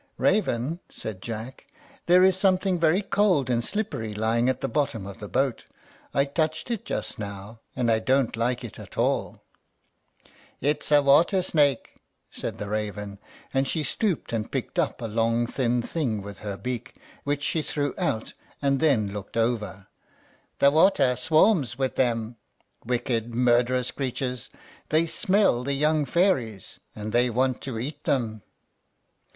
"Raven," said Jack, "there's something very cold and slippery lying at the bottom of the boat. I touched it just now, and I don't like it at all." "It's a water snake," said the raven; and she stooped and picked up a long thing with her beak, which she threw out, and then looked over. "The water swarms with them, wicked, murderous creatures; they smell the young fairies, and they want to eat them."